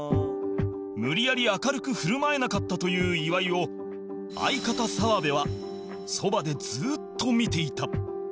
無理やり明るく振る舞えなかったという岩井を相方澤部はそばでずっと見ていた